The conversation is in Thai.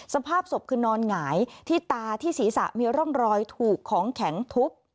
สภาพศพคือนอนหงายที่ตาที่ศีรษะมีร่องรอยถูกของแข็งทุบ